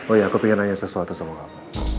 oh iya aku ingin tanya sesuatu sama kamu